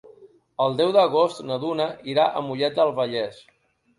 El deu d'agost na Duna irà a Mollet del Vallès.